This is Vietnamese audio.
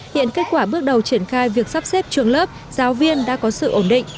hiện kết quả bước đầu triển khai việc sắp xếp trường lớp giáo viên đã có sự ổn định